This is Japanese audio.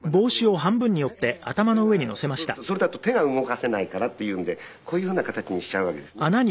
それがそれだと手が動かせないからっていうんでこういうふうな形にしちゃうわけですね。